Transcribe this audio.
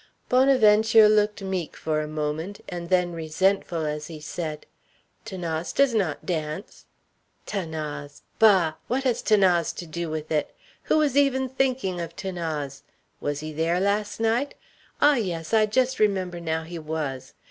Bonaventure looked meek for a moment, and then resentful as he said: "'Thanase does not dance." "'Thanase! Bah! What has 'Thanase to do with it? Who was even thinking of 'Thanase? Was he there last night? Ah yes! I just remember now he was.